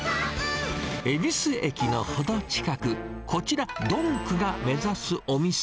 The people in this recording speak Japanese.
恵比寿駅の程近く、こちら、どんくが目指すお店。